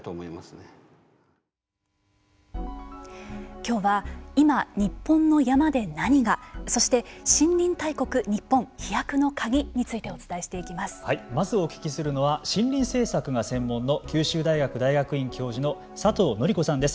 きょうは、いま日本の山で何が！？そして、森林大国・日本飛躍のカギについてまずお聞きするのは森林政策が専門の九州大学大学院教授の佐藤宣子さんです。